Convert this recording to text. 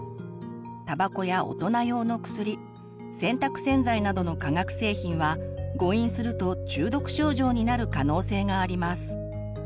たばこや大人用のくすり洗濯洗剤などの化学製品は誤飲すると中毒症状になる可能性があります。